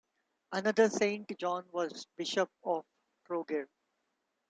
Another Saint John was bishop of Trogir.